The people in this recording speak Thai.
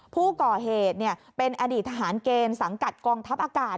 ผู้ก่อเหตุเป็นอดีตทหารเกณฑ์สังกัดกองทัพอากาศ